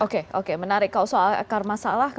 dengan mengetahui akar masalahnya